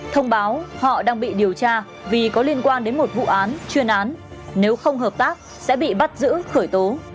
thông báo họ đang bị điều tra vì có liên quan đến một vụ án chuyên án nếu không hợp tác sẽ bị bắt giữ khởi tố